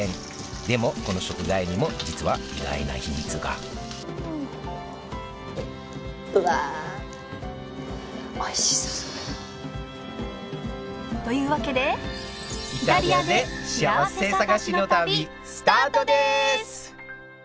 でもこの食材にも実は意外な秘密がうわあおいしそう。というわけでイタリアでしあわせ探しの旅スタートです！